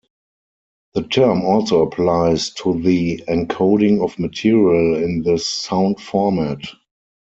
The term also applies to the encoding of material in this sound format.